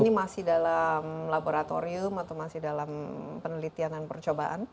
ini masih dalam laboratorium atau masih dalam penelitian dan percobaan